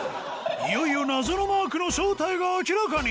いよいよ謎のマークの正体が明らかに！